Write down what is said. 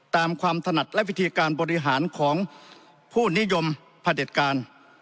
ตามความถนัดและวิธีการบริหารของผู้นิยมพระเด็จการ